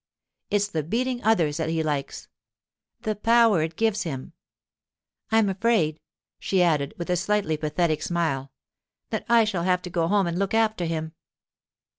It's the beating others that he likes—the power it gives him. I'm afraid,' she added, with a slightly pathetic smile, 'that I shall have to go home and look after him.